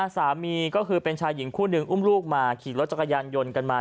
สามีก็คือเป็นชายหญิงคู่หนึ่งอุ้มลูกมาขี่รถจักรยานยนต์กันมา